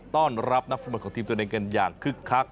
ต้อนรับนักฟุตบอลของทีมตัวเองกันอย่างคึกคัก